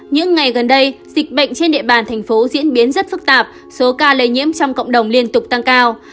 những ngày gần đây dịch bệnh trên địa bàn thành phố diễn biến rất phức tạp số ca lây nhiễm trong cộng đồng liên tục tăng cao